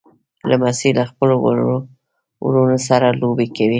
لمسی له خپلو وړو وروڼو سره لوبې کوي.